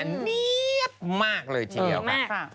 เนียบมากเลยทีเดียวค่ะ